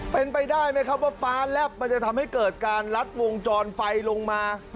เป็นไปได้ไหมครับว่าฟ้าแลบมันจะทำให้เกิดการลัดวงจรไฟลงมา